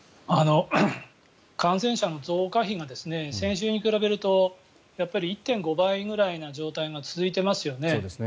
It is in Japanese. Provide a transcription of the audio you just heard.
感染者の増加比が先週に比べると１．５倍ぐらいな状態が続いていますよね。